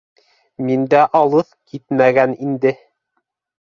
Мин дә алыҫ китмәгән инде.